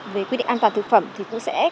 về quy định an toàn thực phẩm thì cũng sẽ